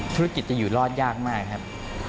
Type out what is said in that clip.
ธุรกิจจะอยู่รอดยากมากครับ